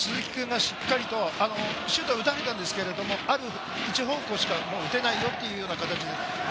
今のも鈴木君がしっかりとシュートを打たれたんですけれど、ある一方向しか打てないよっていう形。